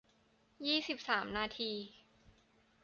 ยี่สิบสาม นาที